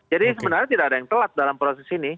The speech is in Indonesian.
jadi sebenarnya tidak ada yang telat dalam proses ini